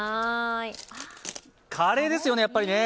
カレーですよね、やっぱりね。